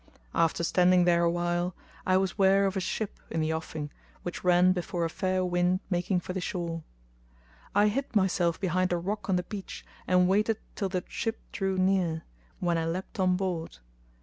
[FN#227] After standing there awhile, I was ware of a ship in the offing which ran before a fair wind making for the shore. I hid myself behind a rock on the beach and waited till the ship drew near, when I leaped on board.